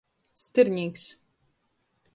Styrnīks.